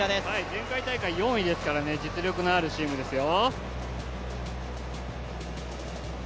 前回大会４位ですからね、実力のあるチームですよ。